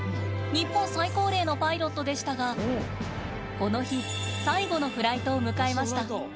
日本最高齢のパイロットでしたがこの日、最後のフライトを迎えました。